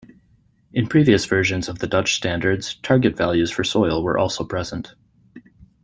In previous versions of the Dutch Standards, target values for soil were also present.